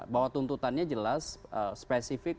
bahwa tuntutannya jelas spesifik